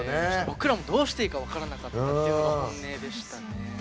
僕らもどうしていいか分からなかったっていうのが本音でしたね。